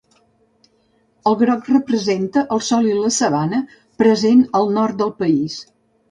El groc representa el sol i la sabana, present al nord del país.